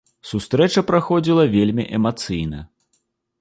Сустрэча праходзіла вельмі эмацыйна.